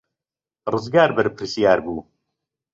ڕزگار بەرپرسیار بوو.